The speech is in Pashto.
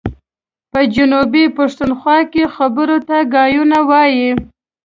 په جنوبي پښتونخوا کي خبرو ته ګايونه وايي.